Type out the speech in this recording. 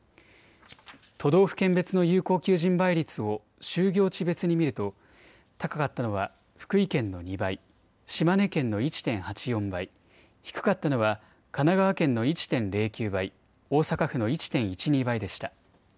都道府県別の有効求人倍率を就業地別に見ると高かったのは福井県の２倍、島根県の１．８４倍、低かったのは神奈川県の１．０９倍、大阪府の１．１２倍でした。